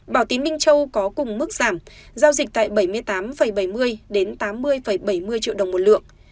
bảo tín minh châu có cùng mức giảm giao dịch tại bảy mươi tám bảy mươi đến tám mươi bảy mươi triệu đồng một lượng